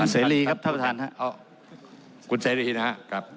ผมเสรีครับท่านประธานครับ